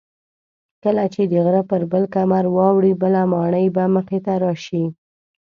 کله چې د غره پر بل کمر واوړې بله ماڼۍ به مخې ته راشي.